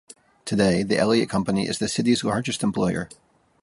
Today, the Elliott Company is the city's largest employer.